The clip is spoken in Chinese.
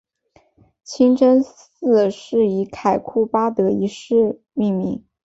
清真寺是以凯库巴德一世命名。